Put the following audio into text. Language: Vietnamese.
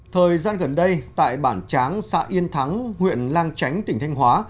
thời gian gần đây tại bản tráng xã yên thắng huyện lang chánh tỉnh thanh hóa